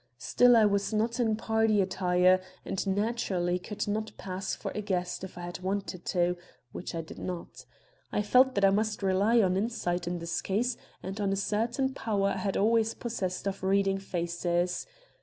Still I was not in party attire and naturally could not pass for a guest if I had wanted to, which I did not. I felt that I must rely on insight in this case and on a certain power I had always possessed of reading faces.